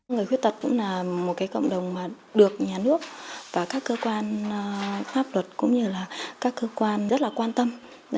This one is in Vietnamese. người khuyết tật cũng là một cộng đồng được nhà nước và các cơ quan pháp luật cũng như các cơ quan rất quan tâm